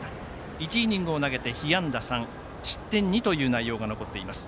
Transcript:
１イニングを投げて被安打３失点２という内容が残っています。